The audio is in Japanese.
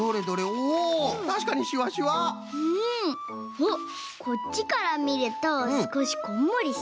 あっこっちからみるとすこしこんもりしてるね。